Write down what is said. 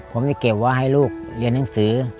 ผมจะเก็บไว้ให้ลูกเรียนหนังสือ